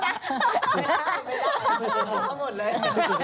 ไม่ได้ไม่ได้ของเขาหมดเลย